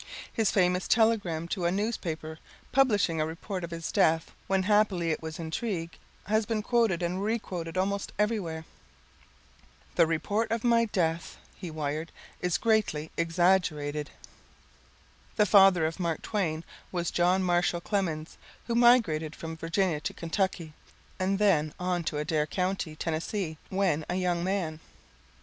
His famous telegram to a newspaper publishing a report of his death, when happily it was intrigue, has been quoted and requoted almost everywhere. "The report of my death," he wired, "is greatly exaggerated." The father of Mark Twain was John Marshall Clemens, who migrated from Virginia to Kentucky, and then on to Adair County, Tennessee, when a young man.